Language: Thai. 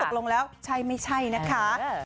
ตกลงแล้วใช่ไม่ใช่นะคะ